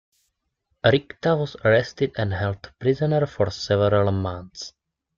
Richta was arrested and held prisoner for several months.